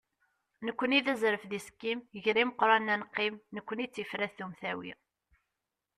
nekkni d azref d isekkim, gar imeqranen ad neqqim, nekkni d tifrat d umtawi.